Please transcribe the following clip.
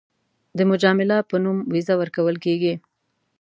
د مجامله په نوم ویزه ورکول کېږي.